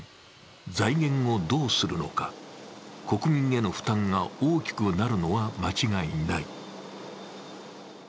財源をどうするのか、国民への負担が大きくなるのは間違いない。